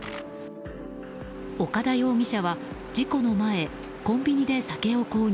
岡田容疑者は事故の前、コンビニで酒を購入。